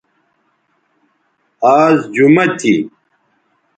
آز جمہ تھی